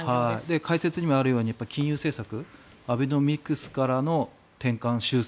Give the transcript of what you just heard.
解説にもあるように金融政策アベノミクスからの転換・修正